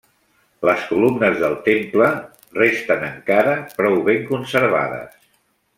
Les columnes del temple resten encara prou ben conservades.